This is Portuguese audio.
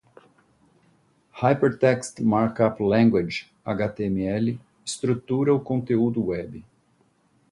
Hypertext Markup Language (HTML) estrutura o conteúdo web.